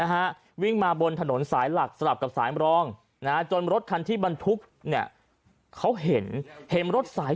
นะฮะวิ่งมาบนถนนสายหลักสลับกับสายมรองนะจนรถคันที่บรรทุกเนี่ยเขาเห็นเห็นรถสาย